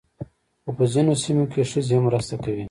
خو په ځینو سیمو کې ښځې هم مرسته کوي.